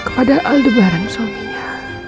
kepada aldebaran suaminya